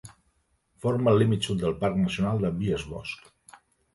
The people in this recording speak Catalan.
Forma el límit sud del Parc Nacional de Biesbosch.